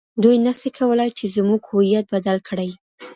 دوی نسي کولای چي زموږ هویت بدل کړي.